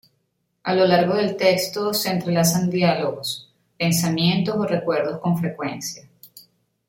A lo largo del texto se entrelazan diálogos, pensamientos o recuerdos con frecuencia.